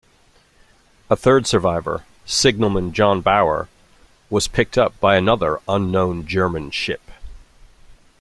A third survivor, Signalman John Bowyer, was picked up by another unknown German ship.